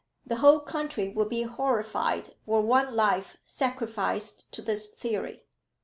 The whole country would be horrified were one life sacrificed to this theory."